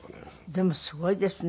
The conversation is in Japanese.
でもすごいですね。